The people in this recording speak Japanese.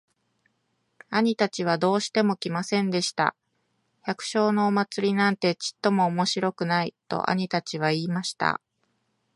兄たちはどうしても来ませんでした。「百姓のお祭なんてちっとも面白くない。」と兄たちは言いました。